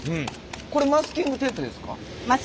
これマスキングテープですか？